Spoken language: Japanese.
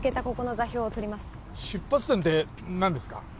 ここの座標を取ります出発点って何ですか？